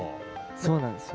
そうなんですよ。